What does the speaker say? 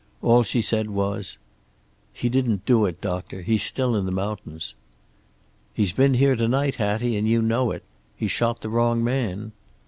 All she said was: "He didn't do it, doctor. He's still in the mountains." "He's been here to night, Hattie, and you know it. He shot the wrong man."